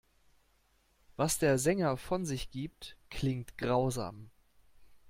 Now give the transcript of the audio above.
Was der Sänger von sich gibt, klingt grausam.